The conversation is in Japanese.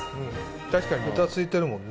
確かにベタついてるもんね。